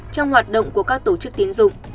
trong hoạt động của các tổ chức tiến dụng